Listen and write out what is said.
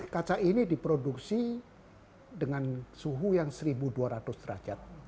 kaca ini diproduksi dengan suhu yang satu dua ratus derajat